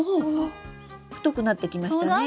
太くなってきましたね。